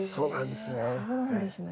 そうなんですね。